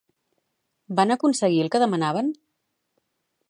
Van aconseguir el que demanaven?